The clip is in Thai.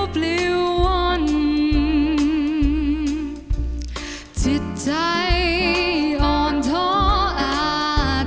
โปรดติดตามต่อไป